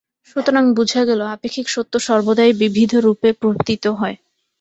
সুতরাং বুঝা গেল, আপেক্ষিক সত্য সর্বদাই বিবিধরূপে প্রতীত হয়।